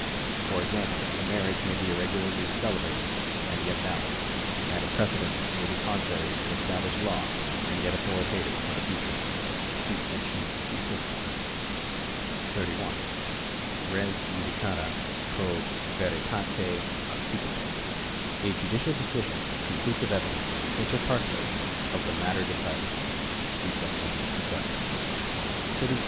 For example, a marriage may be irregularly celebrated, and yet valid ; and a precedent may be contrary to established law, and yet authoritative for the future. See § 66. 31. Res judicata pro veritate accipitur. D. 1. 5. 25. A judicial decision is conclusive evidence inter partes of the matter decided. See § 67. 32. Respondeat superior.